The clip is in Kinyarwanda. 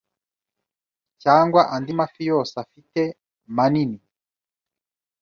Cyangwa andi mafi yose afite manini